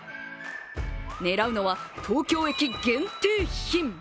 狙うのは東京駅限定品。